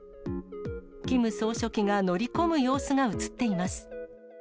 キム総書記が乗り込む様子が写っています。